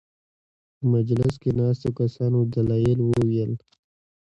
په مجلس کې ناستو کسانو دلایل وویل.